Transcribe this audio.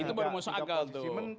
itu bermusakal tuh